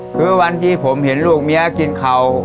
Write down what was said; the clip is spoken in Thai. คือวันที่ผมเห็นลูกเมียกินเข่า